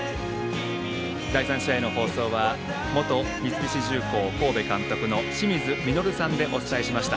第３試合の放送は元三菱重工神戸監督の清水稔さんでお伝えしました。